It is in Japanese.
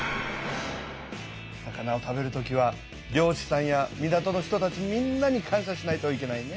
魚を食べる時は漁師さんや港の人たちみんなに感しゃしないといけないね。